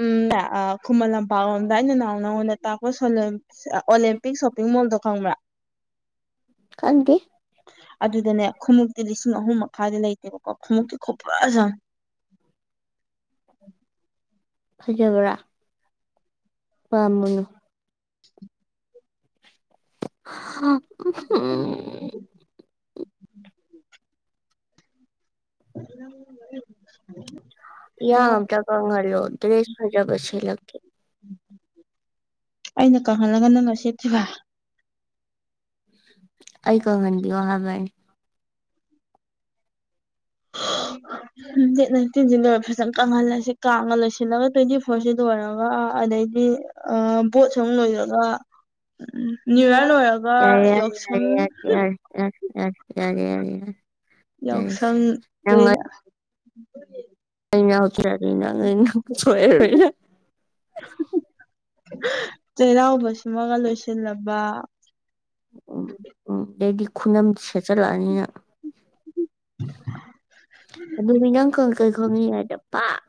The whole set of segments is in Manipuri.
ꯎꯝ ꯅꯦ ꯑ ꯈꯨꯃꯟ ꯂꯝꯄꯥꯛ ꯂꯣꯝꯗ ꯑꯩꯅ ꯅꯍꯥꯟ ꯅꯉꯣꯟꯗ ꯇꯥꯛꯄ ꯁꯣꯜꯂꯦꯝ ꯑꯣꯂꯦꯝꯄꯤꯛ ꯁꯣꯞꯄꯤꯡ ꯃꯣꯜꯗꯣ ꯈꯪꯕ꯭ꯔꯥ ꯈꯪꯗꯦ ꯑꯗꯨꯗꯅꯦ ꯈꯣꯡꯎꯞꯇꯤ ꯂꯤꯁꯤꯡ ꯑꯍꯨꯝ ꯃꯈꯥꯏꯗꯤ ꯂꯩꯇꯦꯕꯀꯣ ꯈꯣꯡꯎꯞꯇꯤ ꯈꯨꯐꯖ ꯑꯝꯅꯦ ꯐꯖꯕ꯭ꯔꯥ ꯄꯥꯝꯃꯨꯅꯨ ꯎꯝ [inaudible] [unintelligible] ꯌꯥꯡ ꯑꯝꯇ ꯀꯪꯍꯜꯂꯣ ꯗ꯭ꯔꯦꯁ ꯐꯖꯕ ꯁꯦꯠꯂꯛꯀꯦ ꯑꯩꯅ ꯀꯪꯍꯜꯂꯒ ꯅꯪꯅ ꯁꯦꯠꯠꯇ꯭ꯔꯤꯕ ꯑꯩ ꯀꯪꯍꯟꯕꯤꯌꯣ ꯍꯥꯏꯕ ꯑꯩ ꯗꯦꯠ ꯅꯥꯏꯟꯇꯤꯟ ꯅꯋꯐꯦꯁ ꯀꯪꯍꯜꯂꯁꯤ ꯀꯥꯡꯒ ꯂꯣꯏꯁꯤꯜꯂꯒ ꯇ꯭ꯋꯦꯟꯇꯤ ꯐꯣꯔꯁꯤꯗ ꯂꯣꯏꯔ ꯑꯗꯩꯗꯤ ꯑ ꯕꯣꯠ ꯁꯨꯝ ꯂꯣꯏꯔꯒ ꯎꯝ ꯅ꯭ꯌꯨ ꯌꯥꯔ ꯂꯣꯏꯔꯒ ꯌꯥꯎꯁꯪ ꯌꯥꯔꯦ ꯌꯥꯔꯦ ꯌꯥꯔꯦꯁꯦ ꯑꯩꯅ ꯍꯇ꯭ꯔꯒ ꯅꯪ ꯑꯩꯅ ꯁꯣꯔꯣꯏꯅꯪ ꯆꯩꯔꯥꯎꯕ ꯁꯤꯃꯒ ꯂꯣꯏꯁꯤꯜꯂꯕ ꯎꯝ ꯎꯝ ꯑꯗꯩꯗꯤ ꯈꯨꯅꯝ ꯁꯦꯠꯆꯜꯂꯛꯑꯅꯤꯅꯪ ꯍꯅꯨꯕꯤ ꯅꯪ ꯀꯩ ꯈꯪꯉꯤ ꯉ ꯩꯍꯥꯏꯗ ꯄꯥꯛ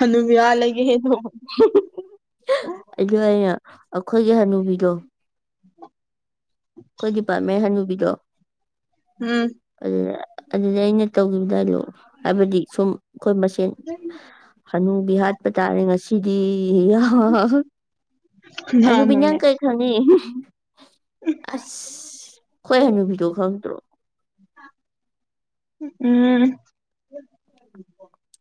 ꯍꯅꯨꯕꯤ ꯍꯥꯠꯂꯒꯦꯍꯦ ꯑꯗꯨ ꯑꯩꯅ ꯑꯩꯈꯣꯏꯒꯤ ꯍꯅꯨꯕꯤꯗꯣ ꯑꯩꯈꯣꯏꯒꯤ ꯗꯤꯄꯥꯔꯠꯃꯦꯟ ꯍꯟꯅꯨꯕꯤꯗꯣ ꯑꯗꯨꯗ ꯑꯗꯨꯗ ꯑꯩꯅ ꯇꯧꯈꯤꯕ ꯗꯥꯏꯗꯣꯛꯅꯤ ꯍꯥꯏꯕꯗꯤ ꯁꯨꯝ ꯑꯩꯈꯣꯏ ꯃꯁꯦꯟ ꯍꯥꯅꯨꯕꯤ ꯍꯥꯠꯄ ꯇꯥꯔꯦ ꯉꯁꯤꯗꯤ ꯍꯥꯏꯅꯕꯤ ꯅꯪ ꯀꯩ ꯈꯅꯤ ꯑꯁ ꯍꯣꯏ ꯍꯅꯨꯕꯤꯗꯣ ꯈꯪꯗ꯭ꯔꯣ ꯎꯝ ꯎ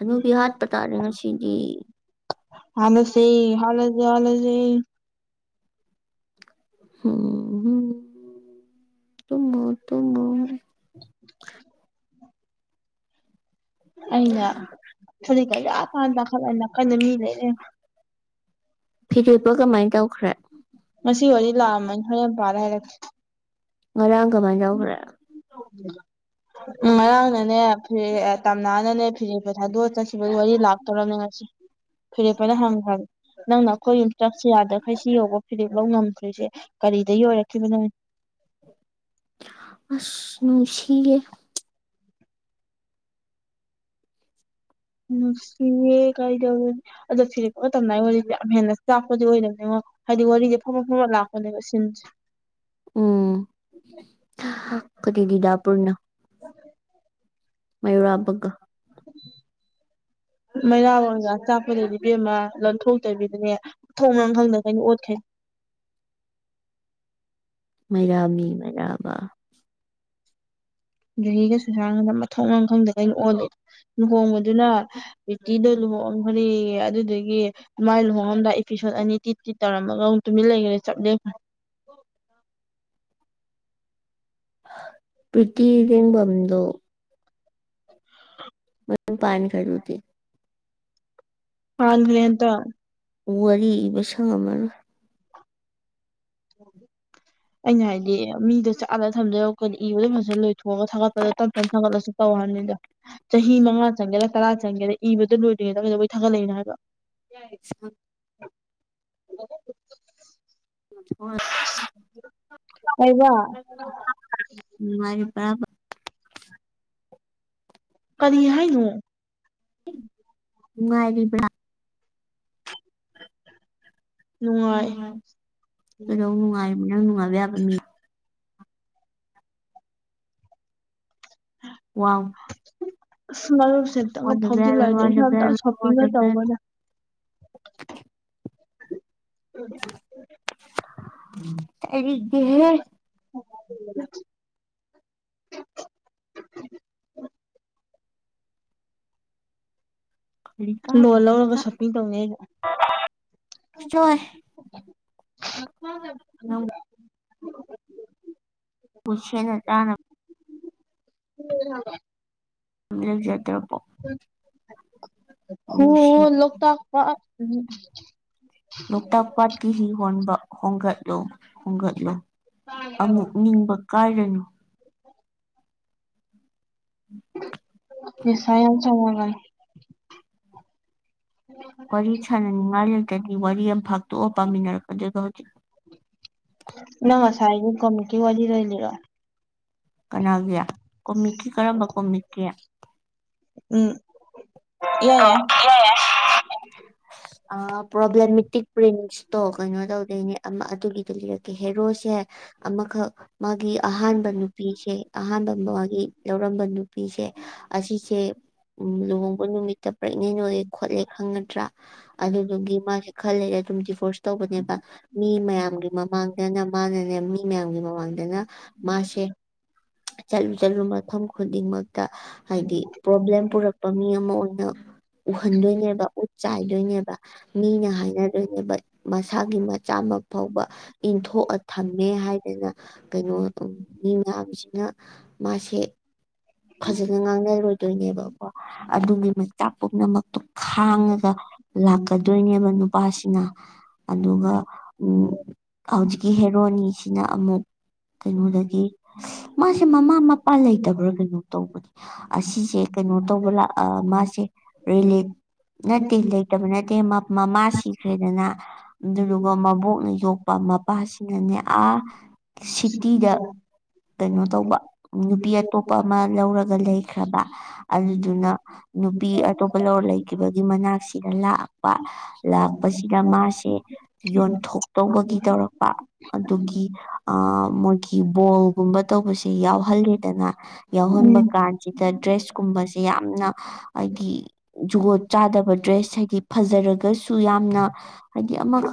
ꯑꯅꯨꯕꯤꯍꯥꯠꯄꯇꯥꯥꯔꯦ ꯉꯁꯤꯗꯤ ꯍꯂ ꯁꯤ ꯍꯜꯂꯁ ꯍꯜꯂꯁ ꯍ [inaudible] ꯑꯩꯅ ꯐꯅꯀꯖꯥ ꯀꯥꯟꯥꯟ ꯇꯥꯈꯠꯂ ꯅꯥꯀꯟꯗ ꯃꯤ ꯂꯩꯔꯦ ꯐꯤꯔꯦꯞꯄ ꯀꯃꯥꯏꯅ ꯇꯧꯈ꯭ꯔꯦ꯫ ꯉꯥꯁꯤ ꯋꯥꯔꯤ ꯂꯥꯛꯑꯝꯃꯅꯤ ꯍꯣꯔꯦꯟ ꯄꯥꯔ ꯍꯥꯏꯔꯛꯀꯦ꯫ ꯉꯔꯥꯡꯅꯅꯦ ꯐꯔꯤ꯫ ꯇꯞ ꯅꯥꯟꯅꯅꯦ ꯐꯤꯔꯦꯄ ꯊꯥꯗꯣꯛꯑ ꯆꯠꯈꯤꯕꯗꯨ ꯋꯥꯔꯤ ꯂꯥꯛꯇꯧꯔꯝꯅꯦ ꯉꯁꯤ ꯐꯤꯔꯦꯞꯄꯅ ꯍꯪꯈ꯭ꯔꯕ ꯅꯪꯅ ꯑꯩꯈꯣꯏ ꯌꯨꯝ ꯆꯠꯁꯨ ꯌꯥꯗꯈꯩ ꯁꯤ ꯌꯧꯕ ꯐꯤꯔꯦꯞ ꯂꯧ ꯉꯝꯗ꯭ꯔꯤꯁꯦ ꯀꯔꯤꯗ ꯌ ꯑꯣꯏꯔꯛꯈꯤꯕꯅꯪ ꯑꯁ ꯅꯨꯡꯁꯤꯌꯦ ꯫ ꯅꯨꯡꯁꯤꯌꯦ ꯀꯩꯗꯧꯅꯤ ꯑꯗꯣ ꯊꯤꯔꯛꯄꯒ ꯃꯇꯝꯗꯥꯏ ꯑꯣꯏꯗꯤ ꯌꯥꯝ ꯍꯦꯟꯅ ꯆꯥꯛꯄꯗꯤ ꯑꯣꯏꯗꯕꯅꯤꯉꯣ ꯍꯥꯏꯗꯤ ꯋꯥꯔꯤꯁꯦ ꯐꯝ ꯐꯝꯃ ꯂꯥꯛꯄꯅꯦꯕ ꯁꯤꯟꯁꯦ ꯎꯝ ꯐꯇꯗꯤꯗꯥ ꯄꯨꯅ 'unintelligible' ꯃꯩꯔꯕꯒꯥ꯫ ꯃꯩꯔꯥꯕꯖ ꯆꯥꯛꯄꯗꯩꯗꯤ ꯏꯕꯦꯝꯃ ꯂꯪꯟꯊꯣꯛꯇꯕꯤꯗꯅꯦ ꯃꯊꯣꯡ ꯃꯔꯝ ꯈꯪꯗꯒꯩꯅꯦ ꯑꯣꯠꯈꯩꯗꯣ ꯃꯩꯔꯥꯕꯤ ꯃꯩꯔꯥꯕ ꯒꯍꯤꯒ ꯁꯨꯁꯟ ꯒꯗꯣ ꯃꯊꯣꯡ ꯃꯔꯝ ꯈꯪꯗꯥ ꯀꯩꯅ ꯑꯣꯜꯂꯤꯗꯣ꯫ ꯂꯨꯍꯣꯡꯕꯗꯨꯅ ꯄꯔꯤꯇꯤꯗꯣ ꯂꯨꯍꯣꯛꯑꯝꯈ꯭ꯔꯦ ꯑꯗꯨꯗꯒꯤ__ ꯃꯥꯏ ꯂꯨꯍꯣꯡꯡꯂꯝꯗꯥꯏ ꯏꯐꯤꯁꯟ ꯑꯅꯤ ꯇꯤ ꯇꯤ ꯇꯧꯔꯝꯃꯒ ꯑꯃ ꯇꯨꯃꯤꯟ ꯂꯩꯈꯔꯦ ꯆꯥꯞꯂꯦꯞꯈꯔꯦ꯫ ꯄꯔꯤꯇꯤ ꯑꯦꯔꯨꯡꯕꯥꯝꯗꯣ꯫ ꯎ ꯄꯥꯟ ꯈꯔꯧꯗꯦ ꯋꯥꯔꯤ ꯏꯕ ꯁꯪꯝꯃꯔꯣꯏ ꯑꯩꯅ ꯍꯥꯏꯗꯤ ꯃꯤꯗꯣ__ ꯑꯥꯗ ꯊꯝꯗꯧ ꯀꯅ ꯏꯕꯗ ꯐꯁꯅ ꯂꯣꯏꯊꯣꯛꯑ ꯊꯥꯠꯄꯗꯣ ꯇꯞ ꯇꯞ ꯊꯥꯒꯠꯂꯁꯨ ꯇꯧ ꯍꯥꯏꯕꯅꯤꯗ꯫ ꯆꯍꯤ ꯃꯉꯥ ꯆꯪꯒꯦꯔꯥ ꯇꯔꯥ ꯆꯪꯒꯦꯔꯥ ꯏꯕꯗꯨ ꯂꯣꯏꯗ꯭ꯔꯤꯉꯩꯗ ꯀꯩꯗꯈꯣꯏ ꯊꯥꯒꯠꯂꯛꯏꯅꯣ ꯍꯥꯏꯕ ꯌꯥ 'unintelligible' ꯅꯨꯡꯉꯥꯏꯔꯤꯕ꯭ꯔꯕ꯫ ꯅꯨꯡ ꯉꯥꯏꯔꯤꯕ ꯅꯨꯡꯉꯥꯏ ꯀꯗꯧ ꯅꯨꯡꯉꯥꯏꯕ ꯅꯪ ꯅꯨꯡꯉꯥꯏꯕ ꯌꯥꯕ ꯃꯤ꯫ ꯋꯥꯎꯔꯔ ꯋꯥꯔ ꯎ 'unintelligible' 'unintelligible' ꯂꯣꯟꯜ ꯂꯧꯔꯒ ꯁꯣꯄꯤꯡ ꯇꯧꯅꯤ꯫ ꯑ [unintelligible] ꯄꯨꯁꯦ ꯅ ꯇꯅ꯫ ꯍ ꯍꯕ [inaudible] ꯅꯖꯗ꯭ꯔꯄꯣ 'unintelligible' ꯍꯣ ꯂꯣꯛꯇꯛ ꯄꯥꯠ ꯍꯤ ꯍꯣꯟꯕ ꯍꯣꯡꯒꯠꯂꯣ ꯍꯣꯡꯒꯠꯂꯣ ꯑꯃꯨꯛ ꯅꯤꯡꯕ ꯀꯥꯏꯔꯅꯨ꯫ ꯅꯤꯁꯥ ꯌꯥꯝ 'unintelligible' ꯋꯥꯔꯤ ꯁꯥꯟꯅꯅꯤꯡꯉꯥꯏ ꯂꯩꯇꯗꯤ ꯋꯥꯔꯤ ꯑꯃ ꯐꯥꯛꯇꯣꯛꯑ ꯄꯥꯃꯤꯟꯅꯔꯛꯀꯗ ꯑꯗꯨꯒ ꯍꯧꯖꯤꯛ ꯅꯪ ꯉꯥꯁꯥꯏꯒꯤ ꯀꯣꯃꯤꯛꯀꯤ ꯋꯔꯤꯗꯣ ꯑꯣꯏꯅꯥ ꯂꯤꯔꯛ ꯑꯣ꯫ ꯀꯅꯥꯒꯤ ꯀꯣꯃꯤꯛꯇꯤ ꯀꯔꯝꯕ ꯀꯣꯃꯤꯛꯀꯤ꯫ ꯎꯝ 'unaudible' ꯑ ꯄꯣꯕꯂꯦꯝꯇꯛ ꯄ꯭ꯔꯤꯟꯁꯇꯣ ꯀꯩꯅꯣ ꯇꯧꯗꯣꯏꯅꯦ ꯑꯗꯨꯒꯤꯗ ꯂꯤꯔꯛꯀꯦ ꯍꯦꯔꯣꯁꯦ ꯑꯃꯈꯛ ꯃꯥꯒꯤ ꯑꯍꯥꯟꯕ ꯅꯨꯄꯤꯁꯦ ꯑꯍꯥꯟꯕ ꯃꯥꯒꯤ ꯂꯧꯔꯝꯕ ꯅꯨꯄꯤꯁꯦ ꯑꯁꯤꯁꯦ ꯎ ꯂꯨꯍꯣꯡꯕ ꯅꯨꯃꯤꯠꯇ ꯄ꯭ꯔꯦꯒꯅꯦꯟ ꯑꯣꯏꯌꯦ ꯈꯣꯠꯂꯦ ꯈꯪꯒꯗ꯭ꯔꯥ ꯑꯗꯨꯗꯨꯒꯤ ꯃꯥꯁꯦ ꯈꯜꯂ ꯑꯗꯨꯝ ꯗꯤꯚꯣꯔꯁ ꯇꯧꯕꯅꯦꯕ ꯃꯤ ꯃꯌꯥꯝꯒꯤ ꯃꯃꯥꯡꯗꯅ ꯃꯥꯅꯅꯦ ꯃꯤ ꯃꯌꯥꯝꯒꯤ ꯃꯃꯥꯡꯗꯅ ꯃꯥꯁꯦ ꯆꯠꯂꯨ ꯆꯠꯂꯨ ꯃꯐꯝ ꯈꯨꯗꯤꯡꯃꯛ꯫ ꯇ ꯍꯥꯏꯗꯤ ꯄ꯭ꯔꯣꯕ꯭ꯂꯦꯝ ꯄꯨꯔꯛꯄ ꯃꯤ ꯑꯃ ꯑꯣꯏꯅ ꯎꯍꯟꯗꯣꯏꯅꯦꯕ꯫ ꯆꯥꯏꯗꯣꯏꯅꯦꯕ ꯃꯤꯅ ꯍꯥꯏꯅꯗꯣꯏꯅꯦꯕ ꯃꯁꯥꯒꯤ ꯃꯆꯥ ꯑꯃ ꯐꯥꯎꯕ ꯏꯟꯊꯣꯛꯑ ꯊꯝꯃꯦ ꯍꯥꯏꯗꯅ ꯀꯩꯅꯣ ꯃꯤ ꯃꯌꯥꯝꯁꯤꯅ ꯃꯥꯁꯦ ꯐꯖꯅ ꯉꯥꯡꯅꯔꯣꯏꯗꯣꯏꯅꯦꯕꯀꯣ ꯑꯗꯨꯒꯤ ꯃꯆꯥꯛ ꯄꯨꯝꯅꯃꯛꯇꯣ ꯈꯥꯡꯉꯒ ꯂꯥꯛꯀꯗꯣꯏꯅꯦꯕ ꯅꯨꯄꯥꯁꯤꯅ ꯑꯗꯨꯒ ꯍꯧꯖꯤꯛꯀꯤ ꯍꯦꯔꯣꯅꯤꯁꯤꯅ ꯑꯃꯨꯛ ꯀꯩꯅꯣꯗꯒꯤ ꯃꯥꯁꯦ ꯃꯃꯥ ꯃꯄꯥ ꯂꯩꯇꯕ꯭ꯔꯥ ꯀꯩꯅꯣ ꯇꯧꯕꯅꯦ ꯑꯁꯤꯁꯦ ꯀꯩꯅꯣ ꯇꯧꯕ ꯂ ꯃꯥꯁꯦ ꯅꯠꯇꯦ ꯂꯩꯇꯕ ꯅꯠꯇꯦ ꯃꯃꯥ ꯁꯤꯈ꯭ꯔꯦꯗꯅ ꯑꯗꯨꯗꯨꯒ ꯃꯕꯣꯛꯅ ꯌꯣꯛꯄ ꯃꯄꯥꯁꯤꯅꯅꯦ ꯑꯥ ꯁꯤꯀꯤꯒ ꯀꯩꯅꯣ ꯇꯧꯕ ꯅꯨꯄꯤ ꯑꯇꯣꯞꯄ ꯑꯃ ꯂꯧꯔꯒ ꯂꯩꯈ꯭ꯔꯕ ꯑꯗꯨꯗꯨꯅ ꯅꯨꯄꯤ ꯑꯇꯣꯞꯄ ꯂꯧꯔ ꯂꯩꯈꯤꯕꯒꯤ ꯃꯅꯥꯛꯁꯤꯗ ꯂꯥꯛꯄ꯫ ꯂꯥꯛꯄꯁꯤꯗ ꯃꯥꯁꯦ ꯌꯣꯟꯊꯣꯛꯇꯧꯕꯒꯤ ꯇꯧꯔꯛꯄ꯫ ꯑꯗꯨꯒꯤ ꯑ ꯃꯣꯏꯒꯤ ꯕꯣꯜꯒꯨꯝꯕ ꯇꯧꯕꯁꯦ ꯌꯥꯎꯍꯜꯂꯦꯗꯅ꯫ ꯌꯥꯎꯍꯟꯕ ꯀꯥꯟꯁꯤꯗ ꯗ꯭ꯔꯦꯁ ꯀꯨꯝꯕꯁꯦ ꯌꯥꯝꯅ ꯍꯥꯏꯗꯤ ꯖꯨꯒꯣꯠ ꯆꯥꯗꯕ ꯗ꯭ꯔꯦꯁ ꯍꯥꯏꯗꯤ ꯐꯖꯔꯒꯁꯨ ꯌꯥꯝꯅ ꯍꯥꯏ ꯑꯃꯉꯛ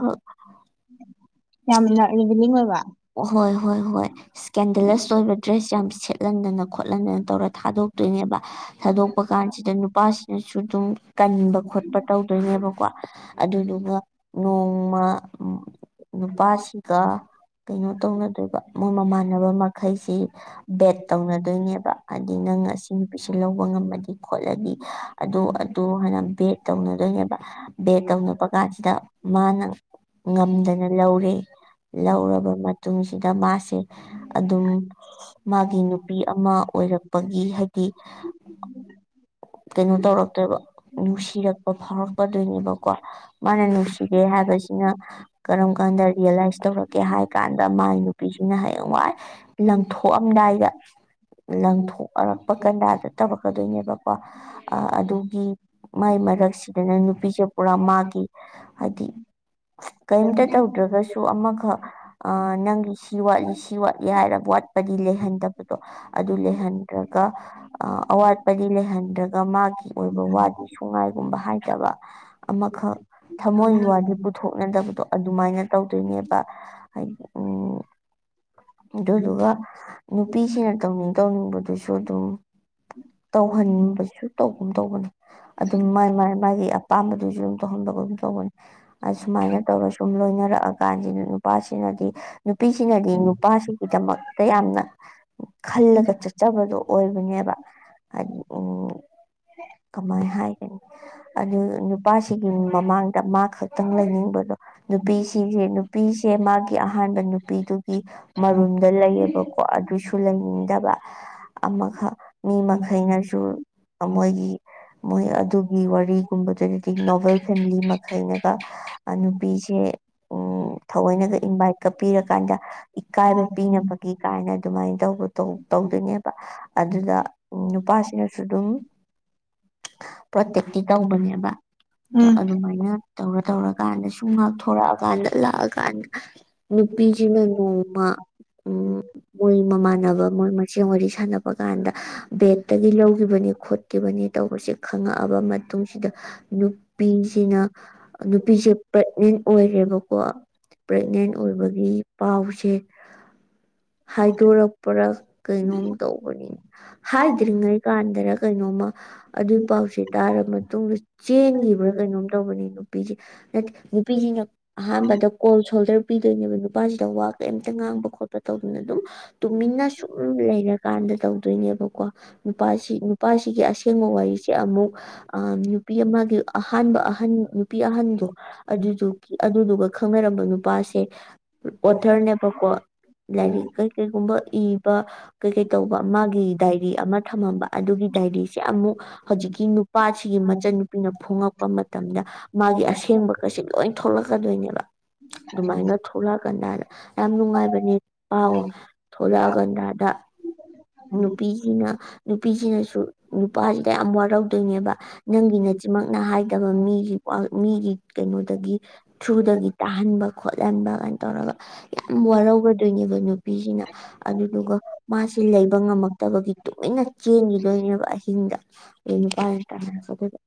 ꯍꯣꯏ ꯍꯣꯏ ꯍꯣꯏ ꯀꯦꯟꯗꯂꯦꯁ ꯑꯣꯏꯕ ꯗ꯭ꯔꯦꯁ ꯌꯥꯝ ꯁꯦꯠꯍꯟꯗꯅ ꯈꯣꯠꯍꯟꯗꯅ ꯇꯧꯔ ꯊꯥꯗꯣꯛꯇꯣꯏꯅꯦꯕ꯫ ꯊꯥꯗꯣꯛꯄ ꯀꯥꯟꯁꯤꯗ ꯅꯨꯄꯥꯁꯤꯅꯁꯨ ꯑꯗꯨꯝ ꯀꯟꯕ ꯈꯣꯠꯄ ꯇꯧꯗꯣꯏꯅꯦꯕꯀꯣ ꯑꯗꯨꯗꯨꯒ ꯅꯣꯡꯃ ꯅꯨꯄꯥꯁꯤꯒ ꯀꯩꯅꯣ ꯇꯧꯅꯗꯣꯏꯕ ꯃꯣꯏ ꯃꯃꯥꯟꯅꯕ ꯃꯈꯩꯁꯤ ꯕꯦꯠ ꯇꯧꯅ ꯑꯗꯨꯣꯏꯅꯦꯕ ꯍꯥꯏꯗꯤ ꯅꯪ ꯉꯁꯤ ꯅꯨꯄꯤꯁꯦ ꯂꯧꯕ ꯉꯝꯃꯗꯤ ꯈꯣꯠꯂꯗꯤ ꯑꯗꯨꯗ ꯑꯗꯨ ꯍꯥꯟꯅ ꯕꯦꯒ ꯇꯧꯅꯗꯣꯏꯅꯦꯕ ꯕꯦꯒ ꯇꯧꯅꯕ ꯀꯥꯟꯁꯤꯗ ꯃꯥꯅ ꯉꯝꯗꯅ ꯂꯧꯔꯦ꯫ ꯂꯧꯔꯕ ꯃꯇꯨꯡꯁꯤꯗ ꯃꯥꯁꯦ ꯑꯗꯨꯝ ꯃꯥꯒꯤ ꯅꯨꯄꯤ ꯑꯃ ꯑꯣꯏꯔꯛꯄꯒꯤ ꯍꯥꯏꯗꯤ ꯀꯩꯅꯣ ꯇꯧꯔꯛꯇꯣꯏꯕ ꯅꯨꯡꯁꯤꯔꯛꯄ ꯐꯥꯎꯔꯛꯄꯗꯣꯏꯅꯦꯕꯀꯣ꯫ ꯃꯅ ꯅꯨꯡꯁꯤꯒꯦ ꯍꯥꯏꯕꯁꯤꯅ ꯀꯔꯝ ꯀꯥꯟꯗ ꯔꯤꯌꯦꯂꯥꯏꯁ ꯇꯧꯔꯛꯀꯦ ꯍꯥꯏ ꯀꯥꯟꯗ ꯃꯥꯏ ꯅꯨꯄꯤꯁꯤꯅ ꯍꯌꯦꯡꯋꯥꯏ__ ꯂꯪꯊꯣꯛꯑꯝꯗꯥꯏꯗ꯫ ꯂꯪꯊꯣꯛꯑꯔꯛꯄ ꯀꯟꯗꯥꯗ ꯇꯧꯔꯛꯀꯗꯣꯏꯅꯦꯕꯀꯣ ꯑꯗꯨꯒꯤ ꯃꯥꯏ ꯃꯔꯛꯁꯤꯗꯅ ꯅꯨꯄꯤꯁꯦ ꯄꯨꯔꯥ ꯃꯥꯒꯤ ꯍꯥꯏꯗꯤ ꯀꯩꯝꯇ ꯇꯧꯗ꯭ꯔꯒꯁꯨ ꯁꯨ ꯑꯃꯈꯛ ꯑ ꯅꯪꯒꯤ ꯁꯤ ꯋꯥꯠꯂꯤ ꯁꯤ ꯋꯥꯠꯂꯤ ꯍꯥꯏꯔꯒ ꯋꯥꯠꯄꯗꯤ ꯂꯩꯍꯟꯗꯕ ꯑꯗꯨ ꯂꯩꯍꯟꯗ꯭ꯔꯒ__ ꯑ ꯑꯋꯥꯠꯄꯗꯤ ꯂꯩꯍꯟꯗ꯭ꯔꯒ ꯃꯥꯒꯤ ꯑꯣꯏꯕ ꯋꯥꯗꯤ ꯁꯨꯡꯉꯥꯏꯒꯨꯝꯕ ꯍꯥꯏꯗꯕ꯫ ꯑꯃꯈꯛ ꯊꯃꯣꯏ ꯋꯥꯒꯤ ꯄꯨꯊꯣꯛꯅꯗꯕꯗꯣ ꯑꯗꯨꯃꯥꯏꯅ ꯇꯧꯗꯣꯏꯅꯦꯕ ꯎꯝ ꯑꯗꯨꯢꯗꯨꯒ ꯅꯨꯄꯤꯁꯤꯡꯅ ꯇꯧꯅꯤꯡ ꯇꯧꯅꯤꯡꯕꯗꯨꯁꯨ ꯑꯗꯨꯝ ꯇꯧꯍꯟꯕꯁꯨ ꯇꯧꯒꯨꯝ ꯇꯧꯕꯅꯤ ꯑꯗꯨꯝ ꯃꯥꯏ ꯃꯥꯥꯏ ꯃꯥꯒꯤ ꯑꯄꯥꯝꯕꯗꯨꯁꯨ ꯑꯗꯨꯝ ꯇꯧꯍꯟꯕ ꯑꯗꯨꯝ ꯇꯧꯕꯅꯤ ꯑꯁꯨꯃꯥꯏꯅ ꯇꯧꯔ ꯁꯨꯝ ꯂꯣꯏꯅꯔꯛꯑꯀꯥꯟꯁꯤ ꯅꯨꯄꯥꯁꯤꯅꯗꯤ ꯅꯨꯄꯤꯁꯤꯅꯗꯤ ꯅꯨꯄꯥꯁꯤꯒꯤꯗꯃꯛꯇ ꯌꯥꯝꯅ ꯈꯜꯂꯒ ꯆꯠꯆꯕꯗꯣ ꯑꯣꯏꯕꯅꯦꯕ ꯎ ꯀꯃꯥꯏꯅ ꯍꯥꯏꯒꯅꯤ ꯑꯗꯨ ꯅꯨꯄꯥꯁꯤꯒꯤ ꯃꯃꯥꯡꯗ ꯃꯥ ꯈꯛꯇꯪ ꯂꯩꯅꯤꯡꯕꯗꯣ ꯅꯨꯄꯤꯁꯦ ꯅꯨꯄꯤꯁꯦ ꯃꯥꯒꯤ ꯑꯍꯥꯟꯕ ꯅꯨꯄꯤꯗꯨꯒꯤ ꯃꯔꯨꯝꯗ ꯂꯩꯌꯦꯕꯀꯣ ꯑꯗꯨꯁꯨ ꯂꯩꯅꯤꯡꯗꯕ ꯑꯃꯈꯛ ꯃꯤ ꯃꯈꯩꯅꯁꯨ ꯃꯣꯏꯒꯤ ꯃꯣꯏ ꯑꯗꯨꯒꯤ ꯋꯥꯔꯤꯒꯨꯝꯕꯗꯨꯗꯗꯤ ꯅꯣꯕꯦꯜ ꯐꯦꯃꯤꯂꯤ ꯃꯈꯩꯅꯒ ꯅꯨꯄꯤꯁꯦ ꯎ ꯊꯑꯣꯏꯅꯒ ꯏꯟꯚꯥꯏꯠꯀ ꯄꯤꯔꯀꯥꯟꯗ ꯏꯀꯥꯏꯕ ꯄꯤꯅꯕꯒꯤ ꯀꯥꯏꯅ ꯑꯗꯨꯃꯥꯏꯅ ꯇꯧꯗꯣꯏꯅꯦꯕ ꯑꯗꯨꯗ ꯅꯨꯄꯥꯁꯤꯅꯁꯨ ꯑꯗꯨꯝ ꯄ꯭ꯔꯣꯇꯦꯛꯇꯤ ꯇꯧꯕꯅꯦꯕ ꯑꯗꯨꯃꯥꯏꯅ ꯇꯧꯔ ꯇꯧꯔꯀꯥꯟꯗ ꯁꯨꯝ ꯉꯥꯛ ꯊꯣꯔꯛꯑꯀꯥꯟꯗ ꯂꯥꯛꯑꯀꯥꯟꯗ ꯅꯨꯄꯤꯖꯤꯅ ꯅꯣꯡꯃ ꯎ ꯃꯣꯢ ꯃꯥꯃꯥꯟ ꯁꯥꯟꯅꯕ ꯃꯣꯏ ꯃꯁꯦꯟ ꯋꯥꯔꯤ ꯁꯥꯟꯅꯕ ꯀꯥꯟꯗ ꯕꯦꯛꯇꯒꯤ ꯂꯧꯒꯤꯈꯤꯕꯅꯤ ꯈꯣꯠꯈꯤꯕꯅꯤ ꯇꯧꯕꯁꯦ ꯈꯪꯉꯛꯑꯕ ꯃꯇꯨꯡꯁꯤꯗ ꯅꯨꯄꯤꯁꯤꯅ ꯅꯨꯄꯤꯁꯦ ꯄ꯭ꯔꯦꯒꯅꯦꯟ ꯑꯣꯏꯔꯦꯕꯀꯣ ꯄ꯭ꯔꯦꯒꯅꯦꯟ ꯑꯣꯏꯕꯒꯤ ꯄꯥꯎꯁꯦ [unintelligible] ꯍꯥꯏꯗꯣꯔꯛꯄꯔꯥ ꯀꯩꯅꯣꯝ ꯇꯧꯕꯅꯦ ꯍꯥꯏꯗ꯭ꯔꯤꯉꯩ ꯀꯥꯟꯗꯔ ꯀꯩꯅꯣꯝꯃ ꯑꯗꯨꯏ ꯄꯥꯎꯁꯦ ꯇꯥꯔ ꯃꯇꯨꯡꯗ ꯆꯦꯟꯈꯤꯕ꯭ꯔꯥ ꯀꯩꯅꯣꯝ ꯇꯧꯕꯅꯤ ꯅꯨꯄꯤꯁꯦ ꯅꯨꯄꯤꯁꯤꯅ ꯑꯍꯥꯟꯕꯗ ꯀꯣꯜ ꯁꯣꯜꯗꯔ ꯄꯤꯗꯣꯏꯅꯦꯕ ꯅꯨꯄꯥꯁꯤꯗ ꯋꯥ ꯀꯔꯤꯝꯇ ꯉꯥꯡꯕ ꯈꯣꯠꯄ ꯇꯧꯗꯅ ꯑꯗꯨꯝ ꯇꯨꯃꯤꯟꯅ ꯁꯨꯝ ꯂꯩꯔꯀꯥꯟꯗ ꯇꯧꯗꯣꯏꯅꯦꯕꯀꯣ ꯅꯨꯄꯥꯁꯤ ꯅꯨꯄꯥꯁꯤꯒꯤ ꯑꯁꯦꯡꯕ ꯋꯥꯔꯤꯁꯦ ꯑꯃꯨꯛ ꯑ ꯅꯨꯄꯤ ꯑꯃꯒꯤ ꯑꯍꯥꯟꯕ ꯑꯍꯟ ꯅꯨꯄꯤ ꯑꯍꯟꯗꯣ ꯑꯗꯨꯗꯨ ꯑꯗꯨꯗꯨꯒ ꯈꯪꯅꯔꯝꯕ ꯅꯨꯄꯥꯁꯦ ꯑꯣꯊꯔꯅꯦꯕꯀꯣ ꯂꯥꯏꯔꯤꯛ ꯀꯩ ꯀꯩꯒꯨꯝꯕ ꯏꯕ ꯀꯩꯀꯩ ꯇꯧꯕ ꯃꯥꯒꯤ ꯗꯥꯏꯔꯤ ꯑꯃ ꯊꯝꯃꯝꯕ ꯑꯗꯨꯒꯤ ꯗꯥꯏꯔꯤꯁꯦ ꯑꯃꯨꯛ ꯍꯧꯖꯤꯛꯀꯤ ꯅꯨꯄꯥꯁꯤꯒꯤ ꯃꯆꯟꯟꯅ ꯅꯨꯄꯤꯅ ꯐꯣꯡꯉꯛꯄ ꯃꯇꯝꯗ ꯃꯥꯒꯤ ꯑꯁꯦꯡꯕ ꯀꯩꯁ ꯂꯣꯏ ꯊꯣꯛꯂꯛꯀꯗꯣꯏꯅꯦꯕ ꯑꯗꯨꯃꯥꯏꯅꯒ ꯊꯣꯛꯂꯛꯑꯀꯥꯟꯗꯥ ꯍꯥꯏꯗ ꯌꯥꯝ ꯅꯨꯡꯉꯥꯏꯕꯅꯦ ꯄꯥꯎ ꯊꯣꯚꯂꯛꯑ ꯒꯟꯗꯥꯥ ꯅꯨꯄꯤꯁꯤꯅ ꯅꯨꯄꯤꯁꯤꯅꯁꯨ ꯅꯨꯄꯥꯁꯤꯗ ꯌꯥꯝ ꯋꯥꯔꯧꯗꯣꯏꯅꯦꯕ ꯅꯪꯒꯤ ꯅꯆꯤꯟꯃꯛꯅ ꯍꯥꯏꯗꯕ ꯃꯤꯒꯤ ꯃꯤꯒꯤ ꯀꯩꯅꯣꯗꯒꯤ ꯊ꯭ꯔꯨꯗꯒꯤ ꯇꯥꯍꯟꯕ ꯈꯣꯠꯍꯟꯕ ꯀꯥꯏꯅ ꯇꯧꯔꯒ ꯌꯥꯝ ꯋꯥꯔꯧꯒꯗꯣꯏꯅꯦꯕ ꯅꯨꯄꯤꯁꯤꯅ ꯑꯗꯨꯗꯨꯒ ꯃꯥꯁꯤ ꯂꯩꯕ ꯉꯝꯃꯛꯇꯕꯒꯤ ꯇꯨꯃꯤꯟꯅ ꯆꯦꯟꯈꯤꯗꯣꯏꯅꯦꯕ ꯑꯍꯤꯡꯗ ꯗꯩ ꯅꯨꯄꯥꯅꯁꯨ ꯇꯥꯅꯔꯛꯇꯣꯏꯕ